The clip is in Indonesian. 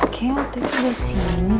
kayaknya waktu itu udah sini